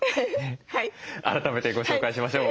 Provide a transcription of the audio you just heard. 改めてご紹介しましょう。